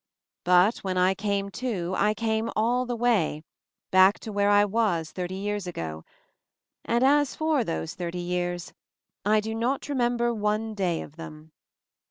But when I "came to" I came all the way, back to where I was thirty years ago; and as for those thirty years — I do not remember one day of them.